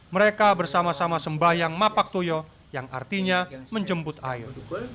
mereka bersama sama sembayang mapak toyo yang artinya menjemput air